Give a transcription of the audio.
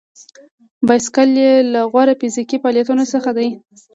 بایسکل یو له غوره فزیکي فعالیتونو څخه دی.